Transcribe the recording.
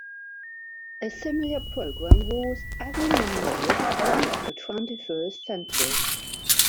A similar programme was "Every Number One of the Twenty-first Century".